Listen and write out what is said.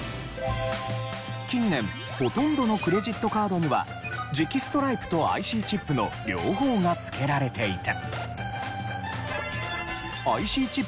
近年ほとんどのクレジットカードには磁気ストライプとＩＣチップの両方が付けられていて。